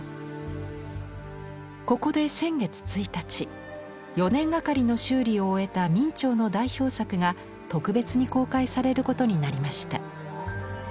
ここで先月１日４年がかりの修理を終えた明兆の代表作が特別に公開されることになりました。